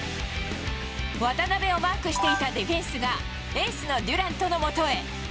渡邊をマークしていたディフェンスが、エースのデュラントのもとへ。